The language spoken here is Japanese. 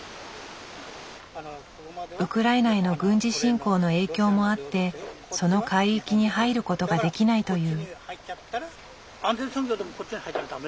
ウクライナへの軍事侵攻の影響もあってその海域に入ることができないという。